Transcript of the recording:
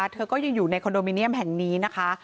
เธอก็ยังอยู่ในคอนโดมิเนียมแห่งนี้นะคะ